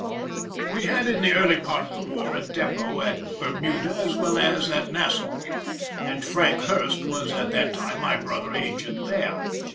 We had in the early part of the war a depôt at Bermuda as well as at Nassau, and Frank Hurst was at that time my brother agent there.